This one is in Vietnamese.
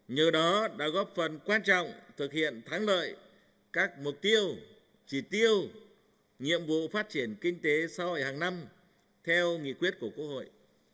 nhờ đó đã góp phần quan trọng thực hiện thắng lợi các mục tiêu chỉ tiêu nhiệm vụ phát triển kinh tế xã hội hàng năm theo nghị quyết của quốc hội